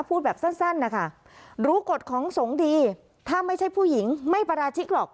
พูดแบบสั้นนะคะรู้กฎของสงฆ์ดีถ้าไม่ใช่ผู้หญิงไม่ปราชิกหรอก